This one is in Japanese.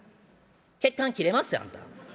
血管切れまっせあんた。